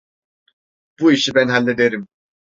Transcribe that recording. Bu işi ben hallederim.